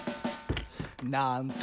「なんと！